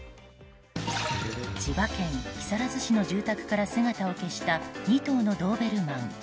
千葉県木更津市の住宅から姿を消した２頭のドーベルマン。